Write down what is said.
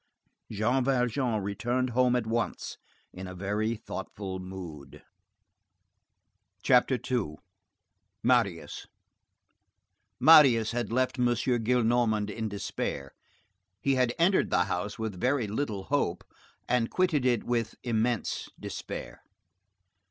Jean Valjean returned home at once, in a very thoughtful mood. CHAPTER II—MARIUS Marius had left M. Gillenormand in despair. He had entered the house with very little hope, and quitted it with immense despair.